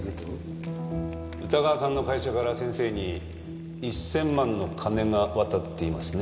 宇田川さんの会社から先生に１千万の金が渡っていますね？